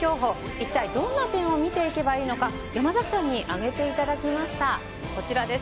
一体、どんな点を見ていけばいいのか山崎さんに挙げていただきましたこちらです。